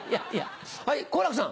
はい好楽さん。